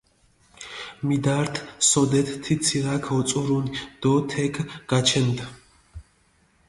მიდართჷ სოდეთ თი ცირაქ ოწურუნი დო თექი გაჩენდჷ.